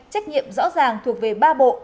trách nhiệm rõ ràng thuộc về ba bộ